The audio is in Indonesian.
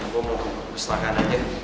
gua mau ke perusahaan aja